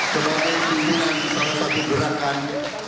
sebagai pimpinan salah satu gerakan